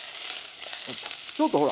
ちょっとほら。